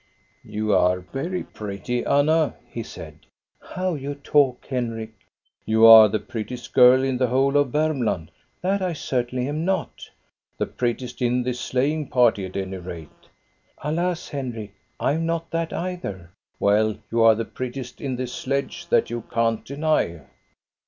" You are very pretty, Anna," he said. " How you talk, Henrik !"" You are the prettiest girl in the whole of Varm land." That I certainly am not." "The prettiest in this sleighing party at any rate." " Alas, Henrik, I am not that either." " Well, you are the prettiest in this sledge, that you can't deny."